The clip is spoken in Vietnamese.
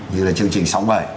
như là chương trình sáu mươi bảy